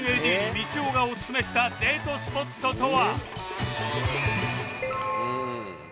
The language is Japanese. みちおさんがオススメしたデートスポットとは？